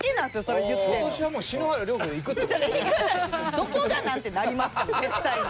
どこがなん？ってなりますから絶対に。